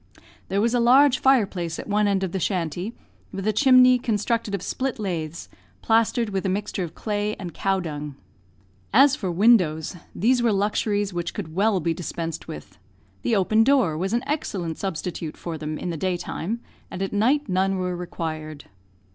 There was a large fireplace at one end of the shanty, with a chimney, constructed of split laths, plastered with a mixture of clay and cowdung. As for windows, these were luxuries which could well be dispensed with; the open door was an excellent substitute for them in the daytime, and at night none were required.